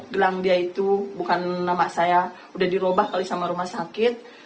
gelang dia itu bukan nama saya udah dirubah kali sama rumah sakit